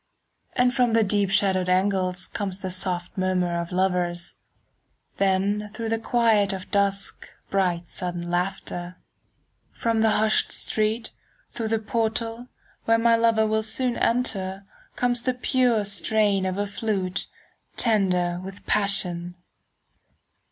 And from the deep shadowed angles Comes the soft murmur of lovers, 10 Then through the quiet of dusk Bright sudden laughter. From the hushed street, through the portal, Where soon my lover will enter, Comes the pure strain of a flute 15 Tender with passion.